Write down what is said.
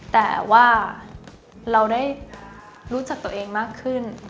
แต่ว่าเราได้รู้จักตัวเองมากขึ้น